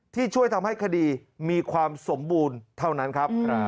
ช่วยทำให้คดีมีความสมบูรณ์เท่านั้นครับ